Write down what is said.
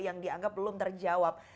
yang dianggap belum terjawab